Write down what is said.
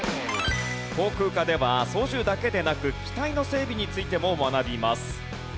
航空科では操縦だけでなく機体の整備についても学びます。